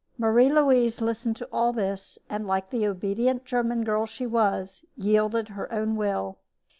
Marie Louise listened to all this, and, like the obedient German girl she was, yielded her own will.